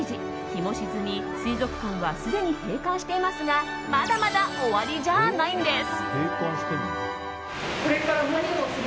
日も沈み、水族館はすでに閉館していますがまだまだ終わりじゃないんです。